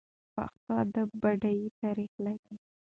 پښتو ادب بډایه تاریخ لري.